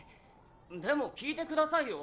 でも聞いてくださいよ。